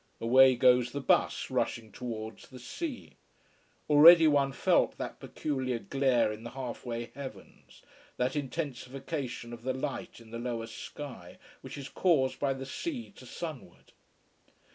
Away goes the bus, rushing towards the sea. Already one felt that peculiar glare in the half way heavens, that intensification of the light in the lower sky, which is caused by the sea to sunward.